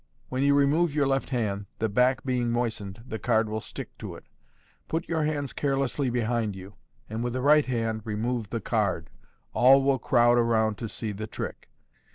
When you remove your left hand, the back being moistened, the card will stick to it. Put your hands carelessly behind you, and with the right hand remove the card. All will crowd round to see the trick.